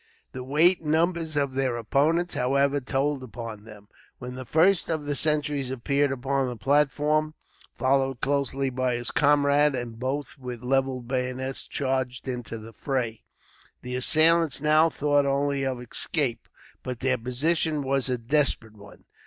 The weight and numbers of their opponents, however, told upon them; when the first of the sentries appeared upon the platform, followed closely by his comrade; and both, with levelled bayonets, charged into the fray. The assailants now thought only of escape, but their position was a desperate one.